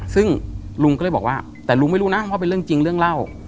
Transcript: ซึ่งลุงก็เลยบอกว่าแต่ลุงไม่รู้นะว่าเป็นเรื่องจริงเรื่องเล่า